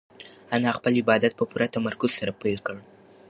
انا خپل عبادت په پوره تمرکز سره پیل کړ.